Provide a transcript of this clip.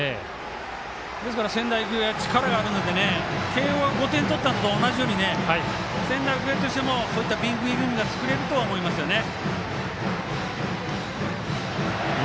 仙台育英は力があるので慶応が５点取ったのと同じように、仙台育英としてもそういったビッグイニングが作れるとは思いますよね。